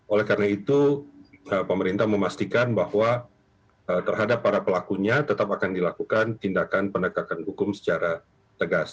oleh karena itu pemerintah memastikan bahwa terhadap para pelakunya tetap akan dilakukan tindakan penegakan hukum secara tegas